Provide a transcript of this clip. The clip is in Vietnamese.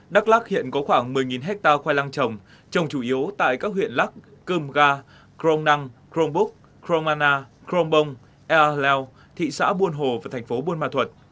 đắk lắk hiện có khoảng một mươi hectare khoai lang trồng trồng chủ yếu tại các huyện lắk cơm ga crong năng crong búc crong mana crong bông ea hleu thị xã buôn hồ và thành phố buôn ma thuật